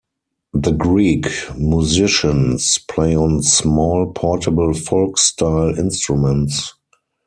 The Greek musicians play on small portable folk style instruments.